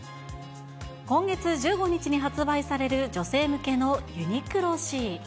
今月１５日に発売される女性向けのＵＮＩＱＬＯ：Ｃ。